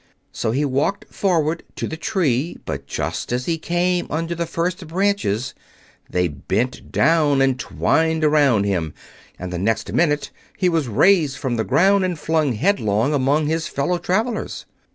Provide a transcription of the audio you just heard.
So he walked forward to the tree, but just as he came under the first branches they bent down and twined around him, and the next minute he was raised from the ground and flung headlong among his fellow travelers.